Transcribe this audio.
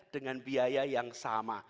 dengan biaya yang sama